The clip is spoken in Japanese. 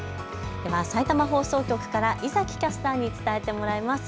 では、さいたま放送局から猪崎キャスターに伝えてもらいます。